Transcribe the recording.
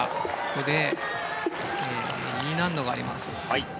ここでＥ難度があります。